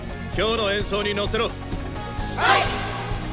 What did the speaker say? はい！